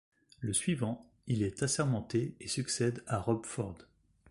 Le suivant, il est assermenté et succède à Rob Ford.